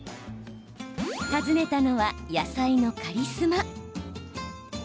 訪ねたのは野菜のカリスマ。